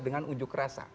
dengan ujuk rasa